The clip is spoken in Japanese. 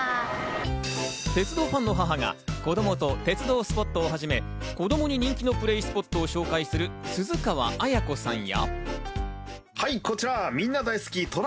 鉄道ファンの母が子供と鉄道スポットをはじめ、子供に人気のプレイスポットを紹介する鈴川絢子さんや。